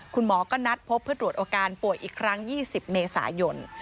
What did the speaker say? คุณหมอก็นัดพบเพื่อตรวจอาการป่วยอีกครั้ง๒๐เมษายน